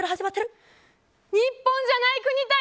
日本じゃない国対